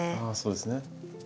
あそうですね。